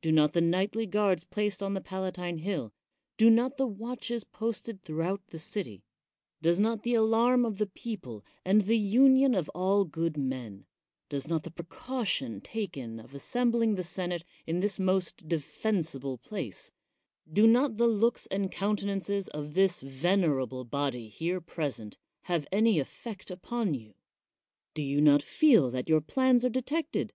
Do not the nightly guards placed on the Palatine Hill — do not the watches posted throughout the city — does not the alarm of the people, and the union of all good men — does not the precaution taken of assem bling the senate in this most defensible place — do not the looks and countenances of this venerable body here present, have any effect upon you? Do you not feel that your plans are detected?